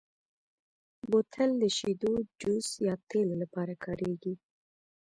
بوتل د شیدو، جوس، یا تېلو لپاره کارېږي.